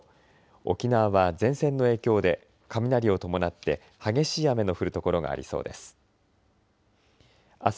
沖縄は前線の影響で雷を伴って激しい雨の降る所がありそうです。